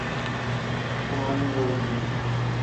شاین رل بیش۔